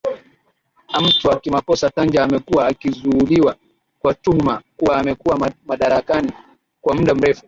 amatwa kimakosa tanja amekuwa akizuiliwa kwa tuhma kuwa amekuwa madarakani kwa muda mrefu